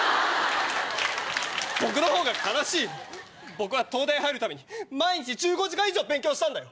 僕は東大入るために毎日１５時間以上勉強したんだよ。